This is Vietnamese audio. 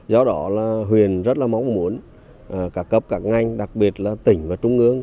do đó là huyền rất là mong muốn cả cấp cả ngành đặc biệt là tỉnh và trung ương